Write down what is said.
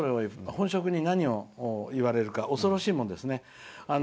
本職に何を言われるか恐ろしいものですね。